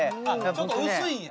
ちょっと薄いんや。